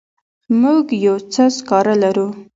موږ یو څه سکاره لرو.